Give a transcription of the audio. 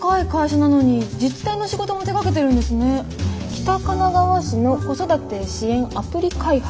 北神奈川市の子育て支援アプリ開発。